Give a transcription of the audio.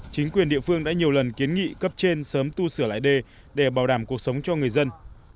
chính quyền địa phương đã nhiều lần kiến nghị cấp trên sớm tu sửa lại đê để bảo đảm cuộc sống cho người dân